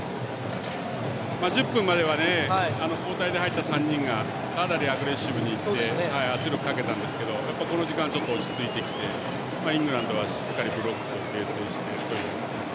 １０分までは交代で入った３人がアグレッシブにいって圧力かけたんですけどこの時間は落ち着いてきてイングランドは、しっかりブロックを形成してという。